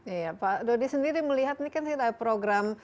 iya pak dodi sendiri melihat ini kan program